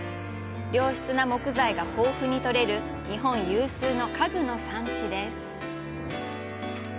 良質な木材が豊富に取れる日本有数の家具の産地です。